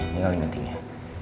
tinggal di meetingnya